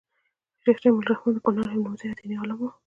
شيخ جميل الرحمن د کونړ يو نوموتی ديني عالم وو